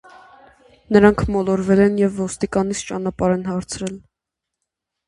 Նրանք մոլորվել են և ոստիկանից ճանապարհ են հարցրել։